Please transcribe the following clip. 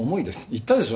言ったでしょ？